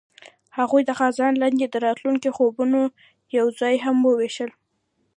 هغوی د خزان لاندې د راتلونکي خوبونه یوځای هم وویشل.